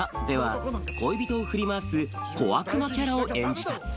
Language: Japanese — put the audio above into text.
では、恋人を振り回す小悪魔キャラを演じた。